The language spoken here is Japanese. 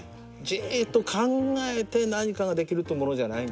じーっと考えて何かができるってものじゃない。